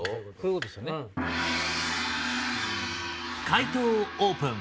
解答をオープン。